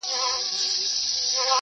زه به اوږده موده تکړښت کړی وم،